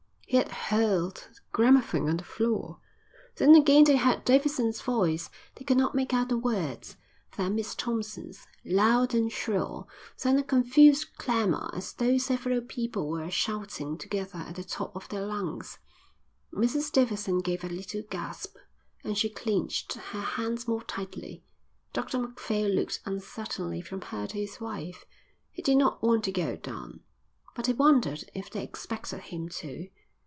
He had hurled the gramophone on the floor. Then again they heard Davidson's voice, they could not make out the words, then Miss Thompson's, loud and shrill, then a confused clamour as though several people were shouting together at the top of their lungs. Mrs Davidson gave a little gasp, and she clenched her hands more tightly. Dr Macphail looked uncertainly from her to his wife. He did not want to go down, but he wondered if they expected him to.